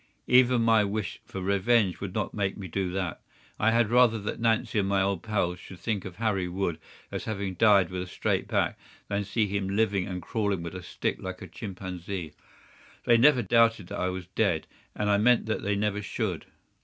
Even my wish for revenge would not make me do that. I had rather that Nancy and my old pals should think of Harry Wood as having died with a straight back, than see him living and crawling with a stick like a chimpanzee. They never doubted that I was dead, and I meant that they never should.